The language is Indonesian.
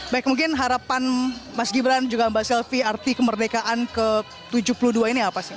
baik mungkin harapan mas gibran juga mbak selvi arti kemerdekaan ke tujuh puluh dua ini apa sih